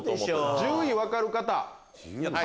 １０位分かる方？